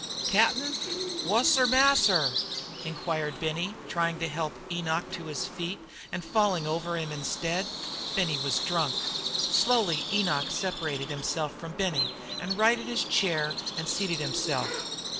"Cap'n, wasser masser?" Inquired Benny, trying to help Enoch to his feet and falling over him instead. Benny was drunk. Slowly Enoch separated himself from Benny and righted his chair and seated himself.